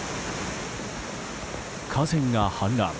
河川が氾濫。